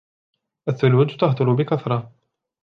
الثلوج تهطل بكثرة